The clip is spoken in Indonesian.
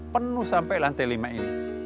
penuh sampai lantai lima ini